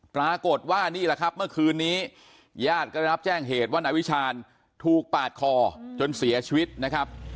ปรากฏว่านี่แหละครับเมื่อคืนนี้ญาติก็ได้รับแจ้งเหตุว่านายวิชาญถูกปาดคอจนเสียชีวิตนะครับ